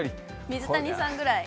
水谷さんぐらい。